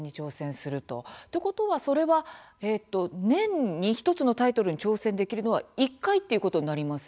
ということはそれは年に１つのタイトルに挑戦できるのは１回ということになりますか。